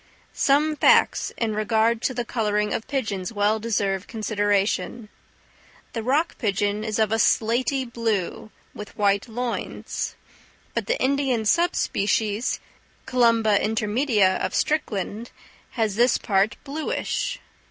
Some facts in regard to the colouring of pigeons well deserve consideration. The rock pigeon is of a slaty blue, with white loins; but the Indian sub species, C. intermedia of Strickland, has this part bluish.